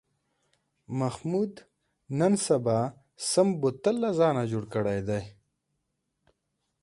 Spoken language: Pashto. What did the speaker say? محمود نن سبا سم بوتل له ځانه جوړ کړی دی.